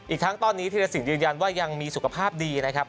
อีกทั้งตอนนี้ธีรสินยืนยันว่ายังมีสุขภาพดีนะครับ